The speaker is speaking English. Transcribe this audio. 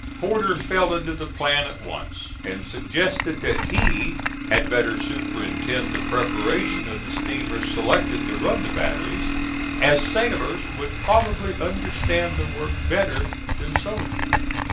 Porter fell into the plan at once, and suggested that he had better superintend the preparation of the steamers selected to run the batteries, as sailors would probably understand the work better than soldiers.